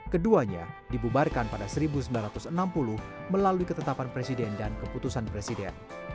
keduanya dibubarkan pada seribu sembilan ratus enam puluh melalui ketetapan presiden dan keputusan presiden